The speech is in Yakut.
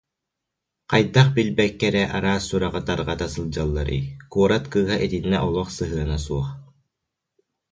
Хайдах билбэккэ эрэ араас сураҕы тарҕата сылдьалларый, куорат кыыһа итиннэ олох сыһыана суох